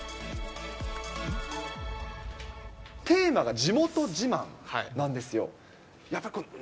テーマが地元自慢なんですよ。